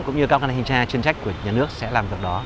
cũng như các hành trà chiến trách của nhà nước sẽ làm được đó